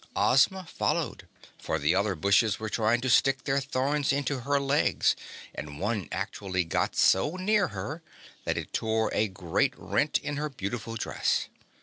Ozma followed, for the other bushes were trying to stick their thorns into her legs and one actually got so near her that it tore a great rent in her beautiful dress.